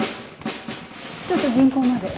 ちょっと銀行まで。